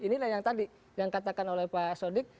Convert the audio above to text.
inilah yang tadi yang katakan oleh pak sodik